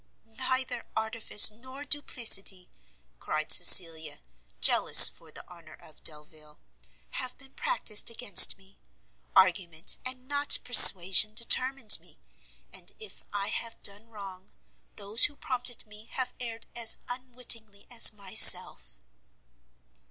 "Neither artifice nor duplicity," cried Cecilia, jealous for the honour of Delvile, "have been practised against me. Argument, and not persuasion, determined me, and if I have done wrong those who prompted me have erred as unwittingly as myself."